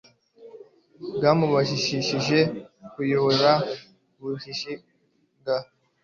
bwamubashishije kuyoborana ubuhanga